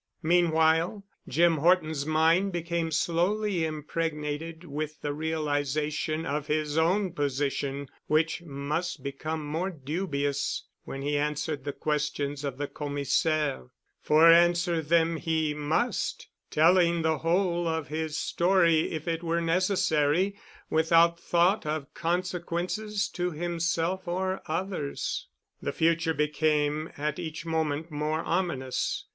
Meanwhile, Jim Horton's mind became slowly impregnated with the realization of his own position which must become more dubious when he answered the questions of the Commissaire, for answer them he must, telling the whole of his story if it were necessary, without thought of consequences to himself or others. The future became at each moment more ominous.